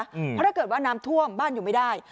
เพราะถ้าเกิดว่าน้ำท่วมบ้านอยู่ไม่ได้